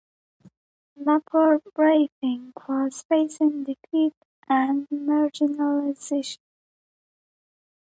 "Labour Briefing" was facing defeat and marginalisation.